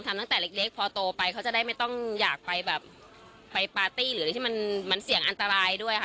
ตั้งแต่เล็กพอโตไปเขาจะได้ไม่ต้องอยากไปแบบไปปาร์ตี้หรืออะไรที่มันเสี่ยงอันตรายด้วยค่ะ